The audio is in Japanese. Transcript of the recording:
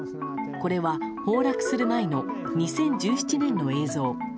これは崩落する前の２０１７年の映像。